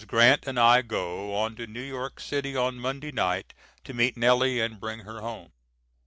Grant and I go on to New York City on Monday night to meet Nellie and bring her home.